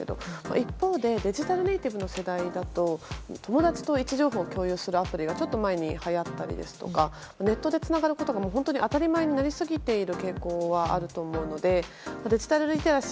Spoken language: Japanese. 一方でデジタルネイティブの世代だと友達と位置情報を共有するアプリが、ちょっと前にはやったりですとかネットでつながることが当たり前になりすぎている傾向はあると思うのでデジタルリテラシー